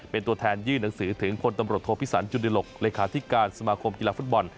เป็นตัวแทนยื่นหนังสือถึงพลตำรวจโทพิสันจุฬิหลกเลขาธิการสมาคมกีฬาฟุตบอล